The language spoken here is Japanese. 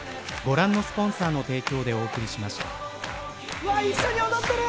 うわ、一緒に踊ってる！